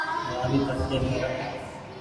رآلي تڙڪي مين رک۔